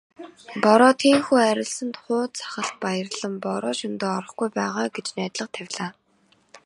Бороо тийнхүү арилсанд хууз сахалт баярлан "Бороо шөнөдөө орохгүй байгаа" гэж найдлага тавилаа.